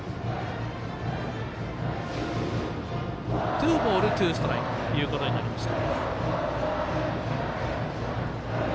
ツーボール、ツーストライクということになりました。